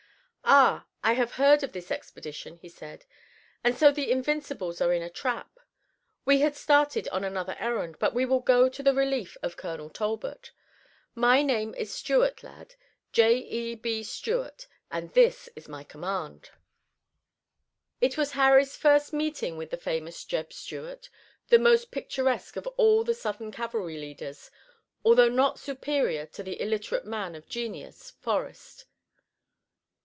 "Ah, I have heard of this expedition," he said, "and so the Invincibles are in a trap. We had started on another errand, but we will go to the relief of Colonel Talbot. My name is Stuart, lad, J. E. B. Stuart, and this is my command." It was Harry's first meeting with the famous Jeb Stuart, the most picturesque of all the Southern cavalry leaders, although not superior to the illiterate man of genius, Forrest.